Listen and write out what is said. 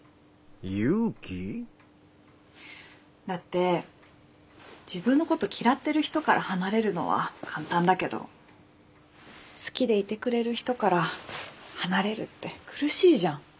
だって自分のこと嫌ってる人から離れるのは簡単だけど好きでいてくれる人から離れるって苦しいじゃん。